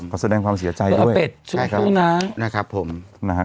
ก็พอแสดงความเสียใจด้วยคุณอาเบชคุณทุ่น้ำ